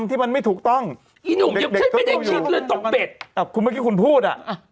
ตกเบ็ด